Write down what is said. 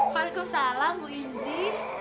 walaikum salam bu indri